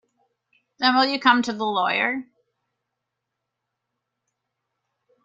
Then, will you come to the lawyer?